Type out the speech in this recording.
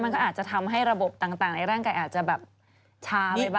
มันก็อาจจะทำให้ระบบต่างในร่างกายอาจจะแบบช้าไปบ้าง